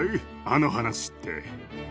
あの話って。